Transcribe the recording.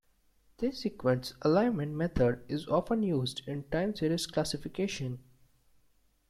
This sequence alignment method is often used in time series classification.